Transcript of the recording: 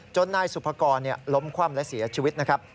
นายสุภกรล้มคว่ำและเสียชีวิตนะครับ